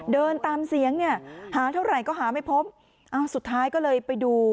เดินตามเสียงเนี่ยหาเท่าไหร่ก็หาไม่พบอ้าวสุดท้ายก็เลยไปดู